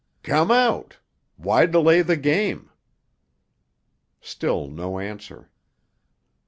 "Come out! Why delay the game?" Still no answer.